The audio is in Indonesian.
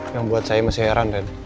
yang buat saya masih heran